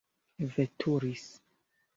veturis